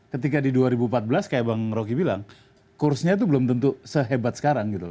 ketika di dua ribu empat belas kayak bang rocky bilang kursnya itu belum tentu sehebat sekarang gitu